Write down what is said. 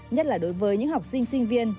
nhất là đối với những học sinh sinh viên